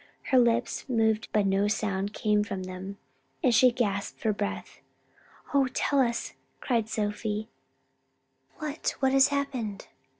Her lips moved but no sound same from them, and she gasped for breath. "Oh tell us!" cried Sophie, "what, what has happened?"